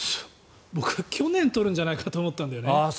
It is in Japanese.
僕去年取るんじゃないかと思ったんだよね。